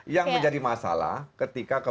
yang menjadi masalah ketika